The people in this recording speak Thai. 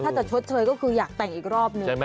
ถ้าจะชดเฉยก็คืออยากแต่งอีกรอบนึง